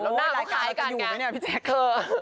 หน้าเขยังคล้ายกันแมมน่าวาดไปอยู่ไหมคุณแจ๊ค